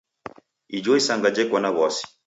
Ijo isanga jeko na w'asi.